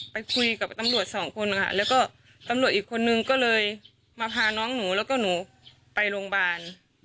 ไปคุยกับตำรวจสองคนค่ะแล้วก็ตำรวจอีกคนนึงก็เลยมาพาน้องหนูแล้วก็หนูไปโรงพยาบาล